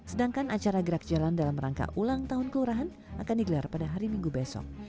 sedangkan acara gerak jalan dalam rangka ulang tahun kelurahan akan digelar pada hari minggu besok